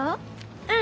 うん。